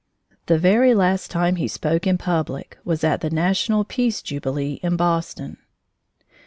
The very last time he spoke in public was at the National Peace Jubilee in Boston.